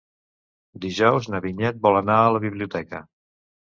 Dijous na Vinyet vol anar a la biblioteca.